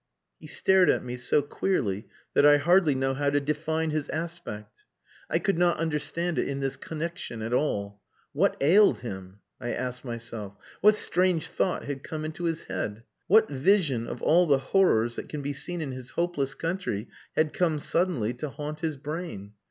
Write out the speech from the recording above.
He stared at me so queerly that I hardly know how to define his aspect. I could not understand it in this connexion at all. What ailed him? I asked myself. What strange thought had come into his head? What vision of all the horrors that can be seen in his hopeless country had come suddenly to haunt his brain?